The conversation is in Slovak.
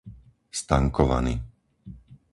Stankovany